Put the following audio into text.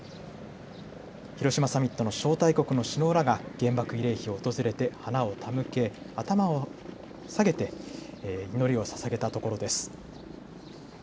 広島サミットの招待国の首脳らが原爆慰霊碑を訪れて花を手向け、頭を下げて祈りをささげたところです。